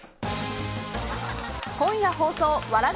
今夜放送、笑